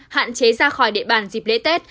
hạn chế ra khỏi địa bàn dịp lễ tết